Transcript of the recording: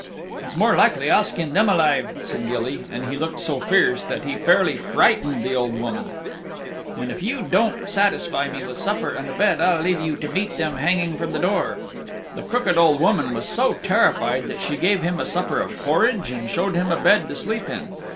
"It's more likely I'll skin them alive," said Gilly, and he looked so fierce that he fairly frightened the old woman. "And if you don't satisfy me with supper and a bed I'll leave you to meet them hanging from the door." The crooked old woman was so terrified that she gave him a supper of porridge and showed him a bed to sleep in.